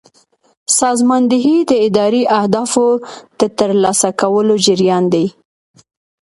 سازماندهي د اداري اهدافو د ترلاسه کولو جریان دی.